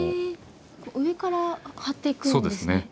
上から貼っていくんですね。